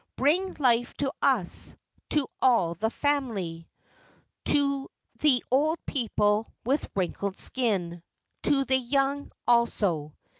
Bring life to us, to all the family, • To the old people with wrinkled skin, To the young also.